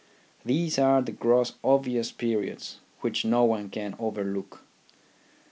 These are the gross obvious periods which no one can overlook.